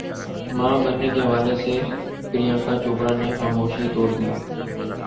ماں بننے کے حوالے سے پریانکا چوپڑا نے خاموشی توڑ دی